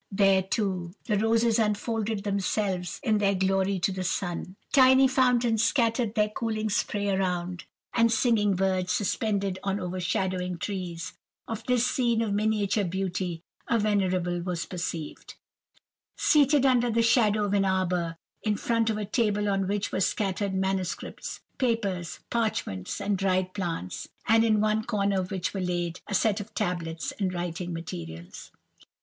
There, too, the roses unfolded themselves in their glory to the sun, tiny fountains scattered their cooling spray around, and singing birds, suspended on overshadowing trees, of this scene of miniature beauty a venerable was perceived, seated under the shadow of an arbour, in front of a table on which were scattered manuscripts, papers, parchments, and dried plants, and in one corner of which were laid a set of tablets and writing materials.